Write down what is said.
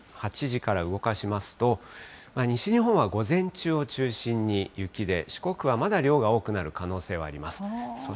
８時から動かしますと、西日本は午前中を中心に雪で、四国はまだ量が多くなる可能性があります。